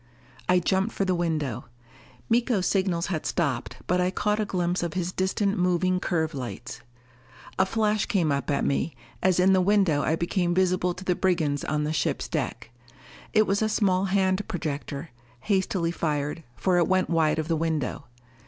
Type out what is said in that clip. I jumped for the window. Miko's signals had stopped, but I caught a glimpse of his distant moving curve lights. A flash came up at me, as in the window I became visible to the brigands on the ship's deck. It was a small hand projector, hastily fired, for it went wide of the window.